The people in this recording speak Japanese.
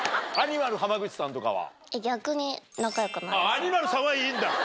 アニマルさんはいいんだ